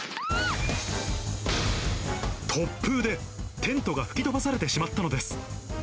突風で、テントが吹き飛ばされてしまったのです。